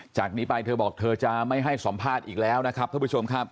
จากนี้ไปเธอบอกเธอจะไม่ให้สัมภาษณ์อีกแล้วนะครับท่านผู้ชมครับ